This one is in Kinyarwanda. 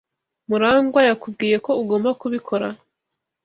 Murangwa yakubwiye ko ugomba kubikora?